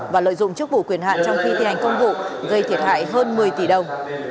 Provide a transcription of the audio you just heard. và lợi dụng chức vụ quyền hạn trong khi thi hành công vụ gây thiệt hại hơn